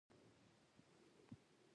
زه هم کوم ګدا نه یم.